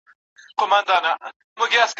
مُلا په ولاحول زموږ له کوره وو شړلی